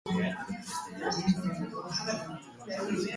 Oraingoz gaitzari aurre egiteko tratamendu eraginkorrik ez dago.